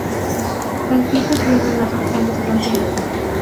De aquí surgieron las actuales fronteras.